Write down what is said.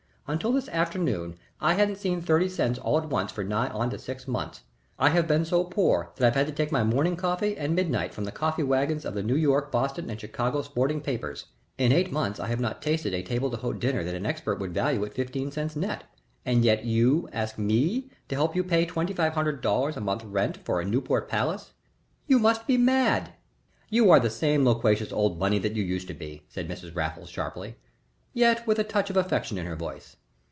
Until this afternoon I hadn't seen thirty cents all at once for nigh on to six months. I have been so poor that I've had to take my morning coffee at midnight from the coffee wagons of the New York, Boston, and Chicago sporting papers. In eight months I have not tasted a table d'hôte dinner that an expert would value at fifteen cents net, and yet you ask me to help you pay twenty five hundred dollars a month rent for a Newport palace! You must be mad." "You are the same loquacious old Bunny that you used to be," said Mrs. Raffles, sharply, yet with a touch of affection in her voice.